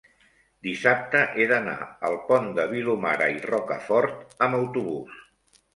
dissabte he d'anar al Pont de Vilomara i Rocafort amb autobús.